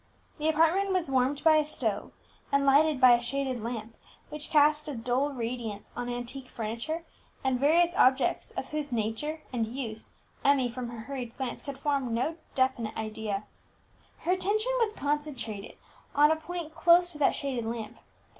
The apartment was warmed by a stove, and lighted by a shaded lamp, which cast a dull radiance on antique furniture and various objects of whose nature and use Emmie, from her hurried glance, could form no definite idea. Her attention was concentrated on a point close to that shaded lamp.